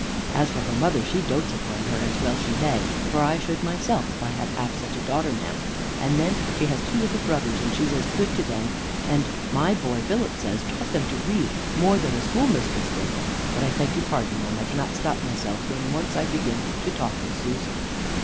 As for her mother, she dotes upon her, as well she may; for I should myself if I had half such a daughter, ma'am; and then she has two little brothers, and she's as good to them and, my boy Philip says, taught them to read more than the school mistress did; but I beg your pardon, ma'am, I cannot stop myself when I once begin to talk of Susan."